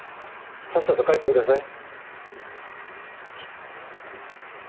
さっさと帰ってください。